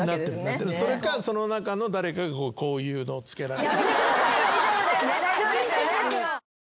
それかその中の誰かがこういうのをつけられてる。